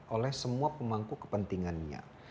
oleh semua pemangku kepentingannya